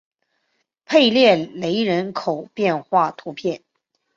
佩勒雷人口变化图示